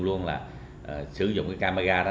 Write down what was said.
luôn là sử dụng cái camera